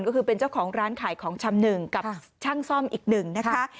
ก็คือเป็นเจ้าของร้านขายของชำ๑กับช่างซ่อมอีก๑นะคะ